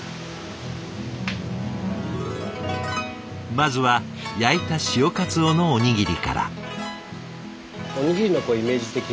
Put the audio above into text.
まずは焼いた潮かつおのおにぎりから。